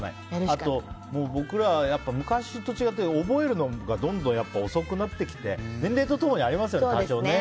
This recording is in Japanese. あと僕ら、昔と違って覚えるのがどんどん遅くなってきて年齢と共にありますよね、多少は。